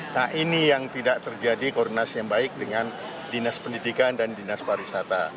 nah ini yang tidak terjadi koordinasi yang baik dengan dinas pendidikan dan dinas pariwisata